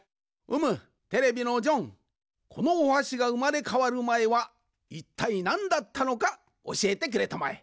このおはしがうまれかわるまえはいったいなんだったのかおしえてくれたまえ。